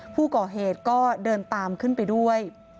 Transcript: ผู้ก่อเหตุก็เดินตามขึ้นไปด้วย